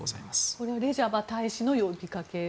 これはレジャバ大使の呼びかけ？